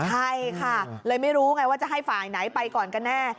ใช่ค่ะเลยไม่รู้ไงว่าจะให้ฝ่ายไหนไปก่อนกันแน่